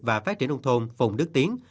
và phát triển nông thôn phùng đức tiến